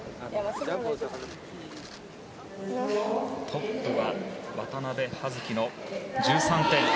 トップは渡部葉月の１３．６００。